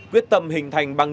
quyết tâm hình thành bằng